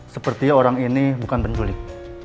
seperti orang ini bukan penculik